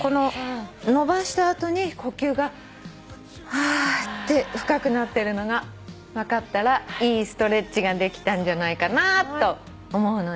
伸ばした後に呼吸が「ハァー」って深くなってるのが分かったらいいストレッチができたんじゃないかなと思うので。